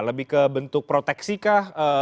lebih ke bentuk proteksi kah